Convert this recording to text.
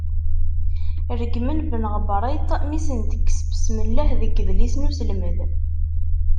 Reggmen Ben Ɣebriṭ mi sen-tekkes "besmelleh" deg idlisen uselmed.